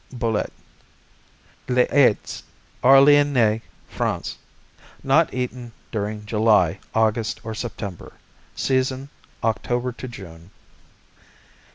Aydes, les Orléanais, France Not eaten during July, August or September. Season, October to June.